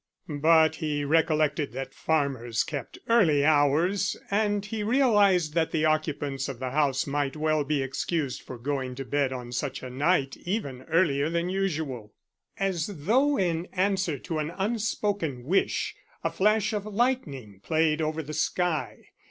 But he recollected that farmers kept early hours, and he realized that the occupants of the house might well be excused for going to bed on such a night even earlier than usual. As though in answer to an unspoken wish, a flash of lightning played over the sky.